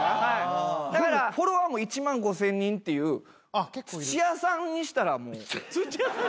だからフォロワーも１万５，０００人っていう土屋さんにしたらもう。